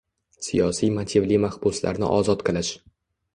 Siyosiy motivli mahbuslarni ozod qilish